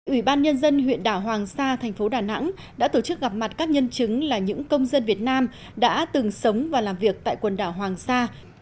ủy ban nhân dân huyện đảo hoàng sa thành phố đà nẵng đã tổ chức gặp mặt các nhân chứng là những công dân việt nam đã từng sống và làm việc tại quần đảo hoàng sa